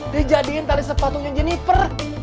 dijadiin tali sepatunya jennifer